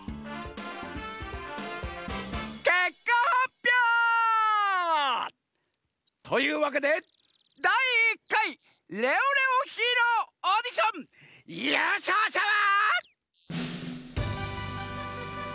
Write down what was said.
けっかはっぴょう！というわけでだい１かいレオレオヒーローオーディションゆうしょうしゃは。